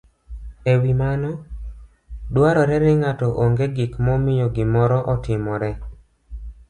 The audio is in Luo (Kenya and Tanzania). e wi mano, dwarore ni ng'ato ong'e gik momiyo gimoro otimore.